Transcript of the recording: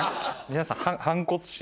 皆さん。